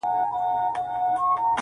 پر دې گناه خو ربه راته ثواب راکه!!